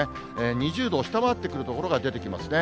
２０度を下回ってくる所も出てきますね。